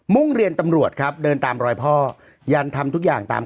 ่งเรียนตำรวจครับเดินตามรอยพ่อยันทำทุกอย่างตาม